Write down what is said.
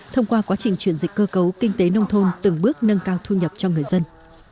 thông qua quá trình chuyển dịch cơ cấu kinh tế nông thôn từng bước nâng cao thu nhập cho người dân